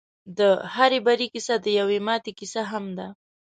د هر بري کيسه د يوې ماتې کيسه هم ده.